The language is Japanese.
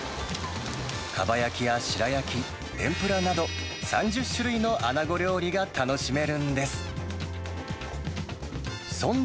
かば焼きや白焼き、天ぷらなど３０種類のアナゴ料理が楽しめるんです。